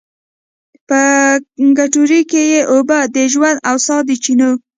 په کټورې کې یې اوبه، د ژوند او سا د چېنو